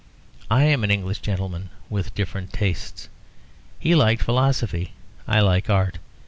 I am an English gentleman with different tastes. He liked philosophy. I like art.